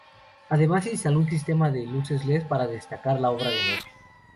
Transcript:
Además se instaló un sistema de luces led para destacar la obra de noche.